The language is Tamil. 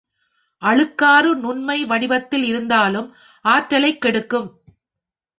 அழுக்காறு நுண்மை வடிவத்தில் இருந்தாலும் ஆற்றலைக் கெடுக்கும்.